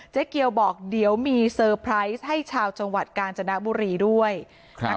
เจ๊เกียวบอกเดี๋ยวมีเซอร์ไพรส์ให้ชาวจังหวัดกาญจนบุรีด้วยครับ